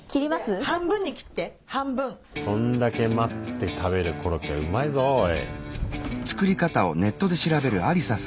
こんだけ待って食べるコロッケはうまいぞおい。